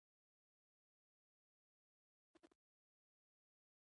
دا یوه تېره ټوټه وه چې په سر کې یې یو کوچنی خولۍ درلوده.